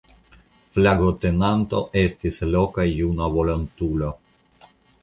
Flagotenanto estis loka juna volontulo.